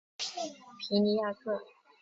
皮尼亚克。